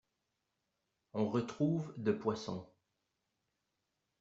On retrouve de poissons.